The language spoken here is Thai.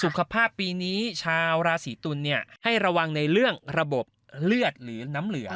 ปีนี้ชาวราศีตุลให้ระวังในเรื่องระบบเลือดหรือน้ำเหลือง